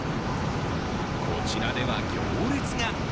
こちらでは行列が。